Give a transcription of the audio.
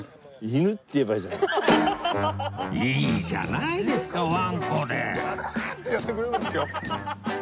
いいじゃないですかわんこで